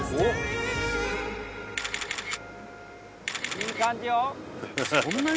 ・いい感じよ。